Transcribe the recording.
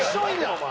お前。